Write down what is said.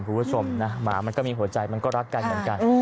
คุณผู้ชมนะหมามันก็มีหัวใจมันก็รักกันเหมือนกัน